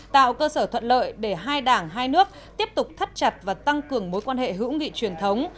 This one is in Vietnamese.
tạo cơ sở thuận lợi để hai đảng hai nước tiếp tục thắt chặt và tăng cường mối quan hệ hữu nghị truyền thống